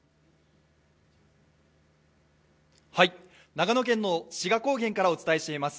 長野県の志賀高原からお伝えをしています。